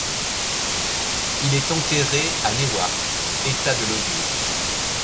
Il est enterré à Newark, État de l'Ohio.